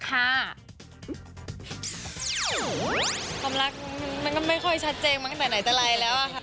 ความรักมันก็ไม่ค่อยชัดเจนมาตั้งแต่ไหนแต่ไรแล้วค่ะ